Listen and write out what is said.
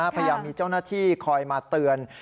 พยายามมีเจ้าหน้าที่คอยมาเตือน